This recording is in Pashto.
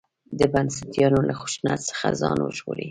د بنسټپالو له خشونت څخه ځان وژغوري.